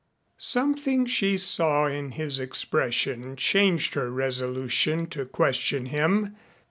Something she saw in his expression changed her resolution to question him.